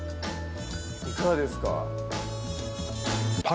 いかがですか？